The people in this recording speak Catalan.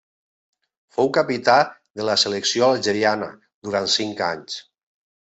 Fou capità de la selecció algeriana durant cinc anys.